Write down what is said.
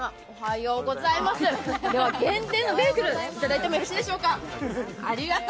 では限定のベーグル、いただいてもいいでしょうか。